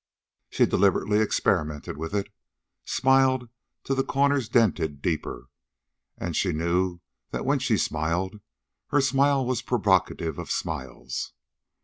She deliberately experimented with it, smiled till the corners dented deeper. And she knew that when she smiled her smile was provocative of smiles.